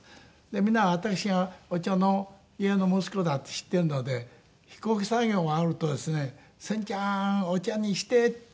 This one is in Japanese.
皆私がお茶の家の息子だって知っているので飛行機作業が終わるとですね「千ちゃーんお茶にして」って言うんですよね。